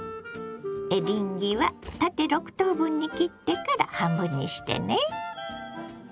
エリンギは縦６等分に切ってから半分にしてね。